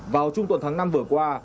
vào trung tuần tháng năm vừa qua